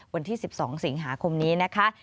วันที่๑๒สิงหาคมนี้นะคะ